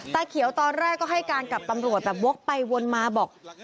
เขียวตอนแรกก็ให้การกับตำรวจแบบวกไปวนมาบอก